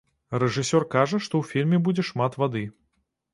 Рэжысёр кажа, што ў фільме будзе шмат вады.